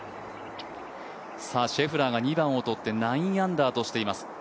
シェフラーが２番をとって９アンダーとしています。